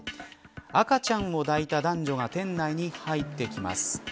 赤ちゃんを抱いた男女が店内に入ってきます。